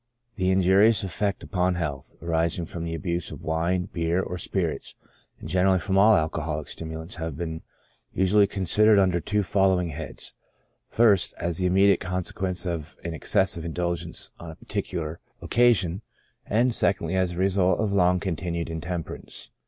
The injurious effect upon health, arising from the abuse of wine, beer, or spirits, and generally from all alcoholic stimulants, have been usually considered under the two following heads : First^ as the immediate consequence of an excessive indulgence on a particular occasion ; and Secondly ^ as the result of long continued intemperance.